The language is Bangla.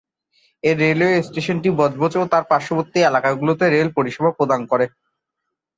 এই রেলওয়ে স্টেশনটি বজবজ ও তার পার্শ্ববর্তী এলাকাগুলিতে রেল পরিষেবা প্রদান করে।